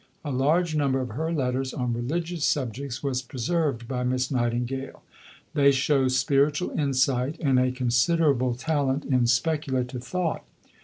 A large number of her letters on religious subjects was preserved by Miss Nightingale. They show spiritual insight, and a considerable talent in speculative thought.